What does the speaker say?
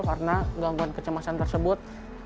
karena gangguan kecemasan tersebut